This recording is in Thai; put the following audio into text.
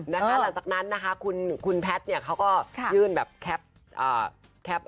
หลังจากนั้นนะคะคุณแพทย์เนี่ยเขาก็ยื่นแบบแคป